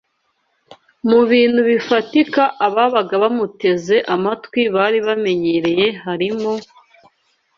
mu bintu bifatika ababaga bamuteze amatwi bari bamenyereye harimo: